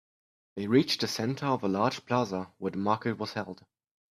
They reached the center of a large plaza where the market was held.